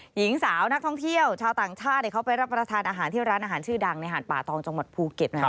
หญิงสาวนักท่องเที่ยวชาวต่างชาติเขาไปรับประทานอาหารที่ร้านอาหารชื่อดังในหาดป่าตองจังหวัดภูเก็ตนะครับ